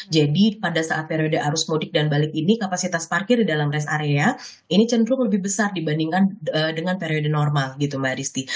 jadi pada saat periode arus mudik dan balik ini kapasitas parkir di dalam res area ini cenderung lebih besar dibandingkan dengan periode normal gitu mbak adisti